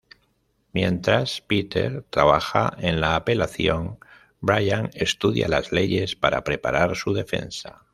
Mientras Peter trabaja en la apelación, Brian estudia las leyes para preparar su defensa.